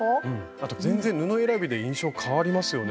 あと全然布選びで印象変わりますよね